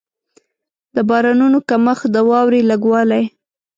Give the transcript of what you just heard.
د بارانونو کمښت، د واورې لږ والی.